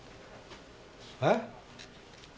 えっ？